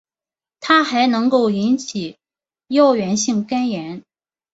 它还能够引起药源性肝炎。